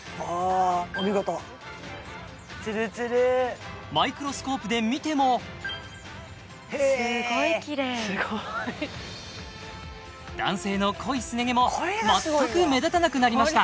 お見事ツルツルマイクロスコープで見てもすごいきれいすごい！男性の濃いスネ毛も全く目立たなくなりました